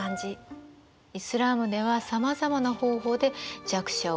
イスラームではさまざまな方法で弱者を救済しようとするのね。